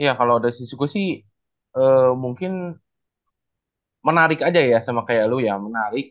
ya kalau dari sisiku sih mungkin menarik aja ya sama kayak lu ya menarik